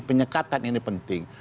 penyekatan ini penting